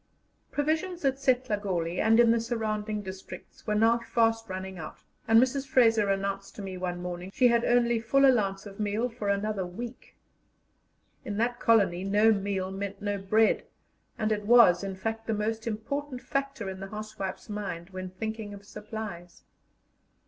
Provisions at Setlagoli and in the surrounding districts were now fast running out, and Mrs. Fraser announced to me one morning she had only full allowance of meal for another week. In that colony no meal meant no bread, and it was, in fact, the most important factor in the housewife's mind when thinking of supplies.